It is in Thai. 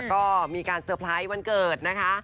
ก็มีการเซอร์ไพรส์วันเกิดนะคะ